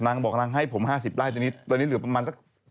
นางบอกเจ้านางให้ผม๕๐รายตอนนี้หลือประมาณสัก๓๐๐วา